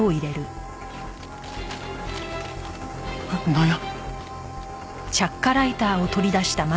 なんや？